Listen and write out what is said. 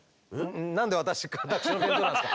何で私私の弁当なんですか。